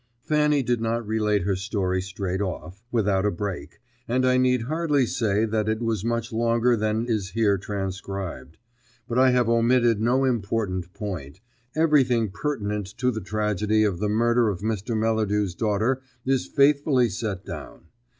Fanny did not relate her story straight off, without a break, and I need hardly say that it was much longer than is here transcribed. But I have omitted no important point; everything pertinent to the tragedy of the murder of Mr. Melladew's daughter is faithfully set down.